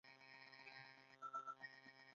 انسان کیدل څومره ګران دي؟